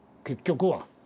結局は。